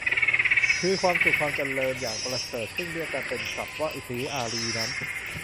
คือความสุขความเจริญอย่างประเสริฐ ซึ่งเรียกกันเป็นศัพท์ว่า "ศรีอาริย" นั้น